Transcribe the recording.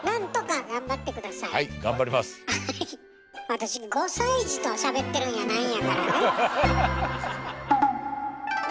私５歳児としゃべってるんやないんやからね？